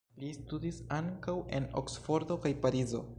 Li studis ankaŭ en Oksfordo kaj Parizo.